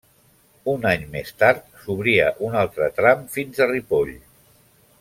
Un any més tard s'obria un altre tram fins a Ripoll.